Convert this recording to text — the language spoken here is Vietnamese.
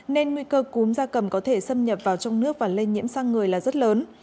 nên nguy cơ cúm da cầm có thể xâm nhập vào trong nước và lây nhiễm sang người là rất lớn